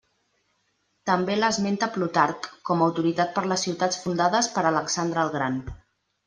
També l'esmenta Plutarc com autoritat per les ciutats fundades per Alexandre el Gran.